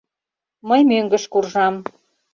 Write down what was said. — Мый мӧҥгыш куржам...